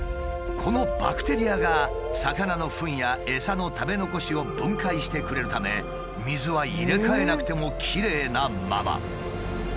このバクテリアが魚のフンやエサの食べ残しを分解してくれるため水は入れ替えなくてもきれいなまま。